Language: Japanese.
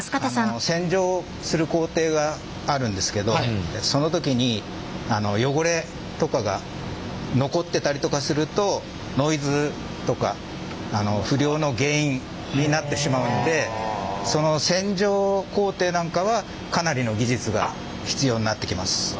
洗浄する工程があるんですけどその時に汚れとかが残ってたりとかするとノイズとか不良の原因になってしまうのでその洗浄工程なんかはかなりの技術が必要になってきます。